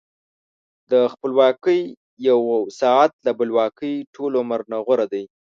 د خپلواکۍ یو ساعت له بلواکۍ ټول عمر نه غوره دی.